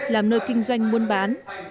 làm nơi kinh doanh muôn bán